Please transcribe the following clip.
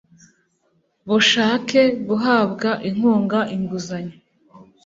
bushake guhabwa inkunga inguzanyo